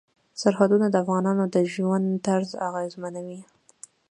سرحدونه د افغانانو د ژوند طرز اغېزمنوي.